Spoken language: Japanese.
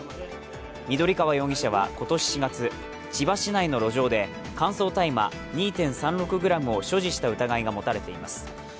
緑川容疑者は今年４月、千葉市内の路上で乾燥大麻２．３６ｇを所持した疑いがもたれています。